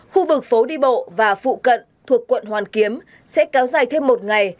khu vực phố đi bộ và phụ cận thuộc quận hoàn kiếm sẽ kéo dài thêm một ngày